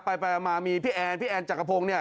ไปมามีพี่แอนพี่แอนจักรพงศ์เนี่ย